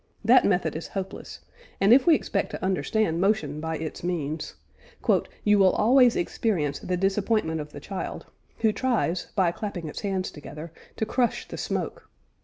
That method is hopeless; and if we expect to understand motion by its means, "You will always experience the disappointment of the child, who tries, by clapping its hands together to crush the smoke.